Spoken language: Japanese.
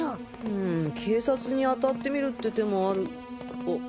うん警察に当たってみるって手もあるあ？